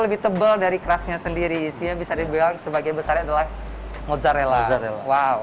lebih tebal dari kerasnya sendiri sehingga bisa dibilang sebagian besarnya adalah mozzarella wow